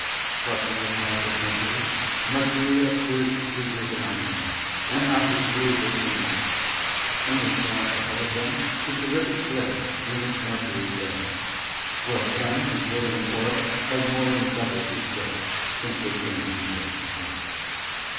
Crossing the path of Mercury, Mercury appeared huger than our Moon, an object weirdly unnatural; and they saw ahead of them the terrific glare in which Mercury basks, from a Sun whose withering orb had more than doubled its width since they came from the hills of Earth.